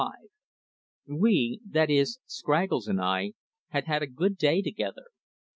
We (that is, Scraggles and I) had had a good day together.